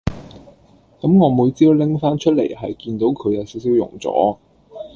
咁我每朝拎返出嚟係見到佢有少少溶咗